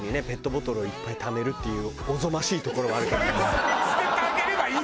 ペットボトルをいっぱいためるっていうおぞましいところはあるけど。